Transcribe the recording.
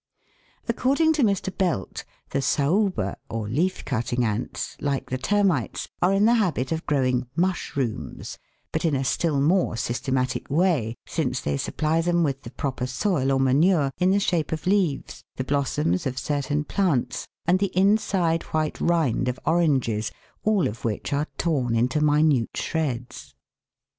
According to Mr. Belt, the Saiiba, or leaf cutting ants, like the termites, are in the habit of growing "mushrooms," but in a still more systematic way, since they supply them with the proper soil or manure, in the shape of leaves, the blossoms of certain plants, and the inside white rind of oranges, all of which are torn into minute shreds.